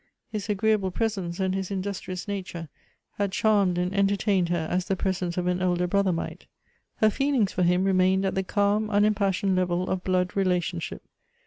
His agreeable pres ence, and his industrious nature, had charmed and entertained her, as the presence of an elder brother might. Her feelings for him remained at the calm unimpassioned level of blood relationship.